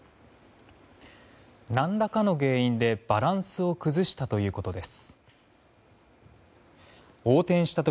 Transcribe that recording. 何らかの原因でバランスを崩したということです。